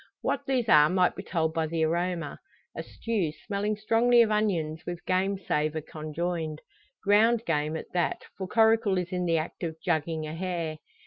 What these are might be told by the aroma; a stew, smelling strongly of onions with game savour conjoined. Ground game at that, for Coracle is in the act of "jugging" a hare.